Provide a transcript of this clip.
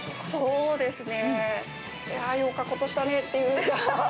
そうですね。